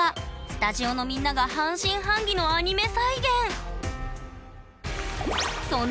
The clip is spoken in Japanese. スタジオのみんなが半信半疑のアニメ